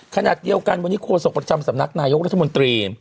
ขณะเดียวกันวันนี้โฆษกประจำสำนักนายกรัฐมนตรี